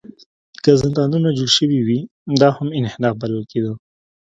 که زندانونه جوړ شوي وي، دا هم انحراف بلل کېده.